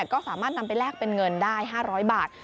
ก็สามารถนำไปแลกเป็นเงินได้๕๐๐บาท